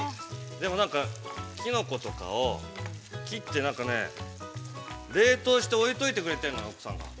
でも、なんか、きのことかを切って、なんかね、冷凍して置いといてくれてるの、奥さんが。